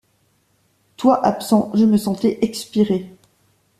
Toi absent, je me sentais expirer.